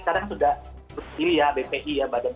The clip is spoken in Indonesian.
sekarang sudah bpi ya badan profesional indonesia dan sebagainya